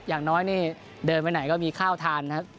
อย่างน้อยนี่เดินไปไหนก็มีข้าวทานนะครับ